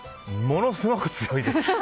ものすごく強いです。